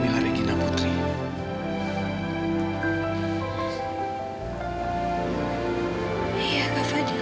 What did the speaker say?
iya kak fadil